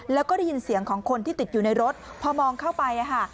แล้วก็ได้ยินเสียงของคนที่ติดอยู่ในรถพอมองเข้าไป